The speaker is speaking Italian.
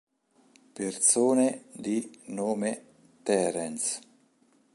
Persone di nome Terence